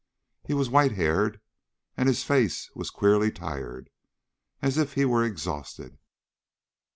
He was white haired, and his face was queerly tired, as if he were exhausted.